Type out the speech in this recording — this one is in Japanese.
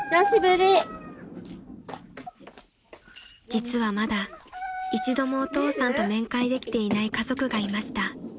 ［実はまだ一度もお父さんと面会できていない家族がいました］